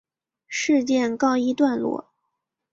事件告一段落。